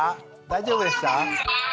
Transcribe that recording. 大丈夫でした？